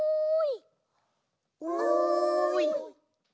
おい！